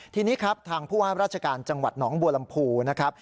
ทีนี้ครับทางผู้ว่าราชการจังหวัดหนองบัวลำพูนะครับ